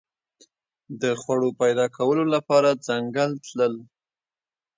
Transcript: د خوړو پیدا کولو لپاره ځنګل تلل.